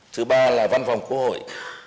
thứ ba là văn phòng quốc hội